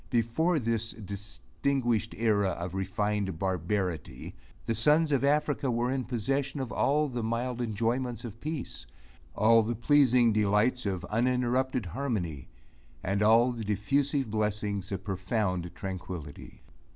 Before this distinguished era of refined barbarity, the sons of Africa were in possession of all the mild enjoyments of peace all the pleasing delights of uninterrupted harmony and all the diffusive blessings of profound tranquility.